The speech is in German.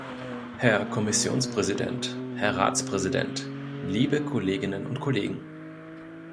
Herr Kommissionspräsident, Herr Ratspräsident, liebe Kolleginnen und Kollegen!